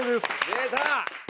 出た！